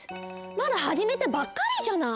まだはじめたばっかりじゃない。